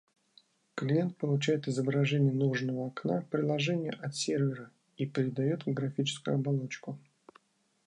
Клиент получает изображение нужного окна приложения от сервера и передает в графическую оболочку